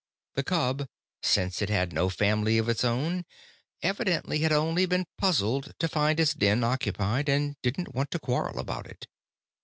The cub, since it had no family of its own, evidently had only been puzzled to find its den occupied and didn't want to quarrel about it.